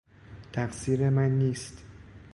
تقصیر من نیست.